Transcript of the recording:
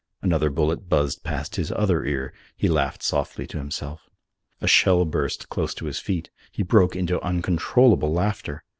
Another bullet buzzed past his other ear. He laughed softly to himself. A shell burst close to his feet. He broke into uncontrolled laughter.